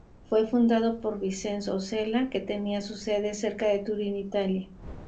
Fue fundado por Vicenzo Osella, que tenía su sede cerca de Turín, Italia.